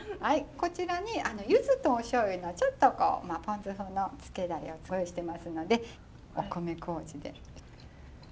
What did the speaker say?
こちらにゆずとおしょうゆのちょっとこうポン酢風のつけだれをご用意してますのでお米麹で。